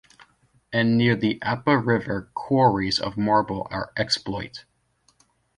And near the Apa River quarries of marble are exploit.